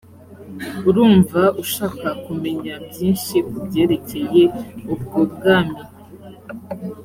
urumva ushaka kumenya byinshi ku byerekeye ubwo bwami